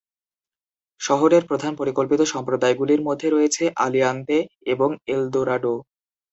শহরের প্রধান পরিকল্পিত সম্প্রদায়গুলির মধ্যে রয়েছে আলিয়ান্তে এবং এলদোরাডো।